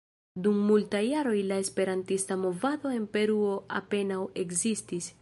Dum multaj jaroj la esperantista movado en Peruo apenaŭ ekzistis.